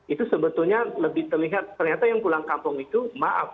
itu sebetulnya lebih terlihat ternyata yang pulang kampung itu maaf